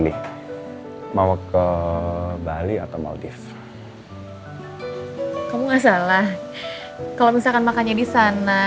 biar kafe itu jadi saksi cinta kita